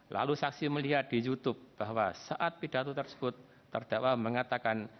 lalu saksi melihat di youtube bahwa saat pidato tersebut terdakwa mengatakan